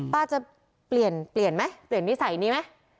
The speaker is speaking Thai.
ป้าจะเปลี่ยนเปลี่ยนไหมเปลี่ยนนิสัยนี้ไหม